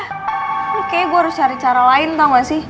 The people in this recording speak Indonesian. kayaknya gue harus cari cara lain tau gak sih